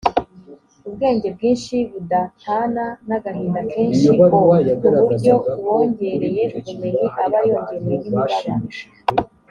ubwenge bwinshi budatana n agahinda kenshi o ku buryo uwongereye ubumenyi aba yongereye n imibabaro